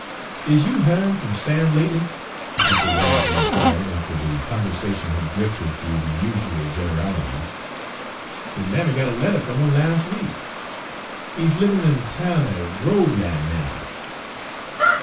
"Is you hearn f'm Sam lately?" uncle Wellington inquired, after the conversation had drifted through the usual generalities. "His mammy got er letter f'm 'im las' week; he 's livin' in de town er Groveland now."